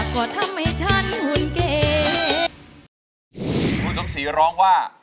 คุณสมศรีร้องว่า